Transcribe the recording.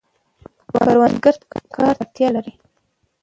کروندګر کار ته اړتیا لري.